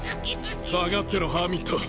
下がってろハーミット。